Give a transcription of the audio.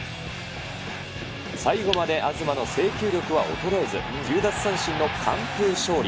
最後まで東の制球力は衰えず、９奪三振の完封勝利。